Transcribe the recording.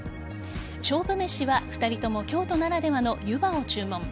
勝負メシは２人とも京都ならではのゆばを注文。